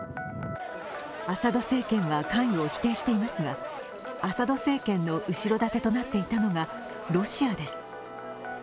アサド政権は関与を否定していますが、アサド政権の後ろ盾となっていたのがロシアです。